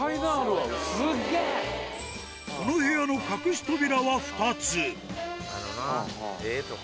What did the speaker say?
この部屋の隠し扉は２つ。